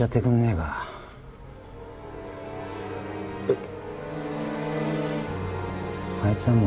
えっ。